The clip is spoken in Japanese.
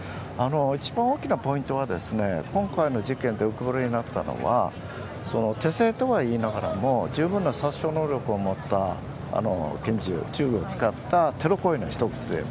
一番大きなポイントは今回の事件で浮き彫りになったのは手製とはいいながらも十分な殺傷能力を持った拳銃を使ったテロ行為の一つ。